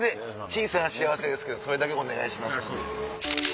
小さな幸せですけどそれだけお願いしましたんで。